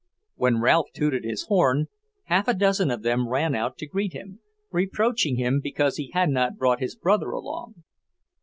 When Ralph tooted his horn, half a dozen of them ran out to greet him, reproaching him because he had not brought his brother along.